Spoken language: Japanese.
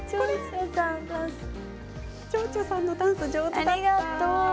ちょうちょさんのダンス上手だった。